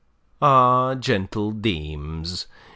] Ah, gentle dames!